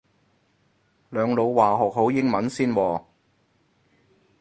兩老話學好英文先喎